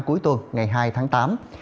cuối tuần ngày hôm nay